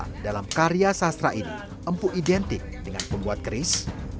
bagian apa dalam karya sastra ini empu identik dengan pembuat keris